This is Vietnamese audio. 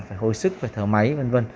phải hồi sức phải thở máy v v